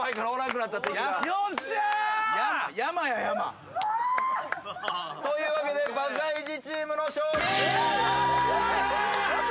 くっそ！というわけでバカイジチームの勝利。